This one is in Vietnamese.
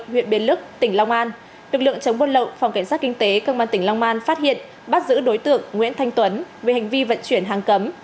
huyện bến lức tỉnh long an lực lượng chống buôn lậu phòng cảnh sát kinh tế công an tỉnh long an phát hiện bắt giữ đối tượng nguyễn thanh tuấn về hành vi vận chuyển hàng cấm